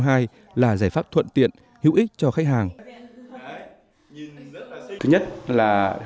thứ nhất là hỗ trợ cho khách hàng những thông tin chính xác và chính thống từ các đại sứ quán các nước về các thủ tục visa